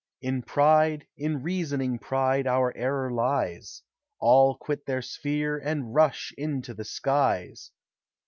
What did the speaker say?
In pride, in reasoning pride, our error lies; All quit their sphere, and rush into the skies.